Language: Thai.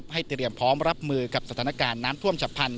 เตรียมพร้อมรับมือกับสถานการณ์น้ำท่วมฉับพันธ